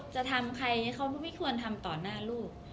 จะทำใครเขาก็ไม่ควรทำต่อหน้าลูก